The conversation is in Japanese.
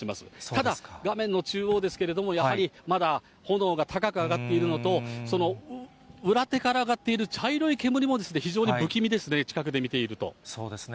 ただ、画面の中央ですけれども、やはりまだ炎が高く上がっているのと、その裏手から上がっている茶色い煙も非常に不気味ですね、近くでそうですね。